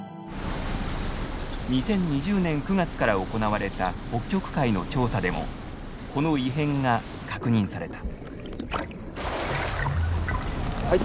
２０２０年９月から行われた北極海の調査でもこの異変が確認された。